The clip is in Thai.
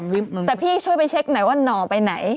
แต่พี่ช่วยไปเช็คหน่อยว่าหน่อไปไหน